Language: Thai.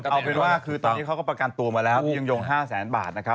เอาเป็นว่าตอนนี้เขาก็ประกันตัวมาแล้วโยง๕๐๐บาทนะครับ